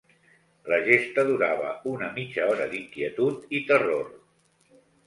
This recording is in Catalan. La gesta durava una mitja hora d'inquietud i terror.